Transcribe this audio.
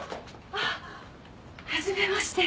あっはじめまして。